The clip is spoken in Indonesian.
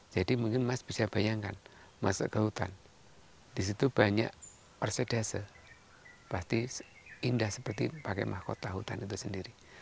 jadi mungkin mas bisa bayangkan masuk ke hutan disitu banyak orsidase pasti indah seperti pakai mahkota hutan itu sendiri